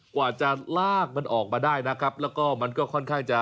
กว่าจะลากมันออกมาได้นะครับแล้วก็มันก็ค่อนข้างจะ